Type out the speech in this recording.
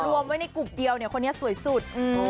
รวมไว้ในกลุ่มเดียวเนี่ยคนนี้สวยสุด